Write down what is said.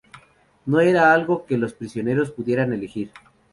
No era algo que los prisioneros pudieran elegir.